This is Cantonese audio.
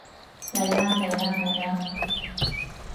嚟吖嚟吖嚟吖